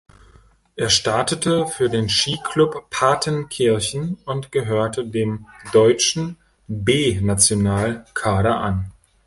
Er startete für den Skiclub Partenkirchen und gehörte dem deutschen B-Nationalkader an.